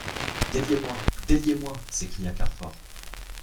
Déliez-moi ! déliez-moi ! s'écria Carfor.